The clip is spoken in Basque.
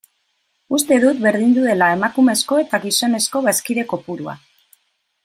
Uste dut berdindu dela emakumezko eta gizonezko bazkide kopurua.